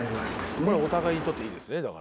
これお互いにとっていいですねだから。